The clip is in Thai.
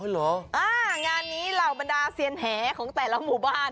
งานนี้เหล่าบรรดาเซียนแหของแต่ละหมู่บ้าน